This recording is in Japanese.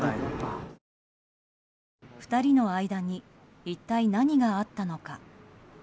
２人の間に一体何があったのか？